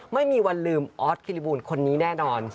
ไม่มีวันลืมออสกิริบูลคนนี้แน่นอน